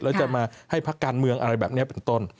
แล้วจะมาให้พักการเมืองอะไรแบบนี้เป็นต้น